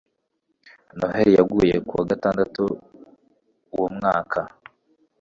noheri yaguye ku wa gatandatu uwo mwaka